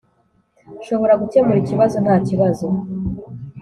] nshobora gukemura ikibazo ntakibazo.